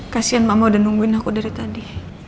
kasian mama udah nungguin aku dari tadi